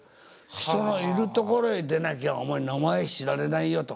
「人のいるところへ出なきゃお前名前知られないよと。